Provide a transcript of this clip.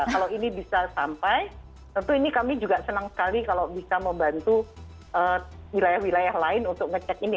kalau ini bisa sampai tentu ini kami juga senang sekali kalau bisa membantu wilayah wilayah lain untuk ngecek ini